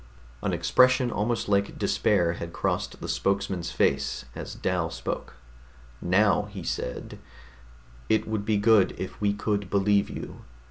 An expression almost like despair had crossed the spokesman's face as Dal spoke. Now he said, "It would be good if we could believe you.